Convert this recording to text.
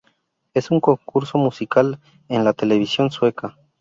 Es un concurso musical en la televisión sueca.